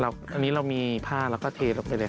อันนี้เรามีผ้าแล้วก็เทลกมันเลย